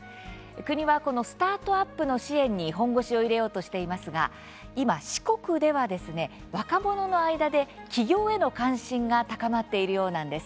国はスタートアップの支援に本腰を入れようとしていますが今、四国では若者の間で起業への関心が高まっているようなんです。